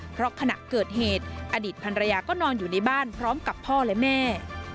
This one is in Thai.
เพราะขณะเกิดเหตุอดีตภรรยาก็นอนอยู่ในบ้านพร้อมกับพ่อและแม่